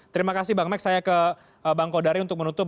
terima kasih bang max saya ke bang kodari untuk menutup